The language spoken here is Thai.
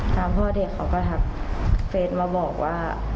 ทางพ่อเด็กเขาก็ทักเฟสมาบอกว่า